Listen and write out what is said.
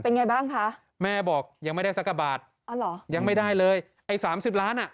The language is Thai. ไงบ้างคะแม่บอกยังไม่ได้สักกว่าบาทอ๋อเหรอยังไม่ได้เลยไอ้สามสิบล้านอ่ะ